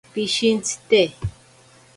Pishintsite.